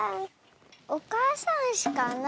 おかあさんうしかな